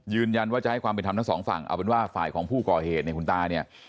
ยืนยันว่าจะให้ความเป็นธรรมทั้งสองฝั่งเอาเป็นว่าฝ่ายของผู้ก่อเหตุเนี่ยคุณตาเนี่ย